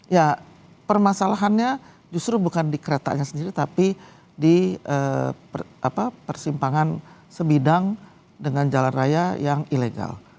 ya permasalahannya justru bukan di keretanya sendiri tapi di persimpangan sebidang dengan jalan raya yang ilegal